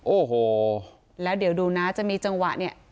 โอ้โหแล้วเดี๋ยวดูนะจะมีจังหวะเนี่ย